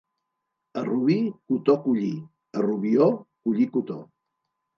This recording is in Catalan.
A Rubí, cotó collir; a Rubió, collir cotó.